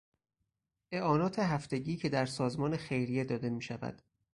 اعانات هفتگی که در سازمان خیریه داده میشود